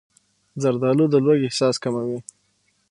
زردالو د لوږې احساس کموي.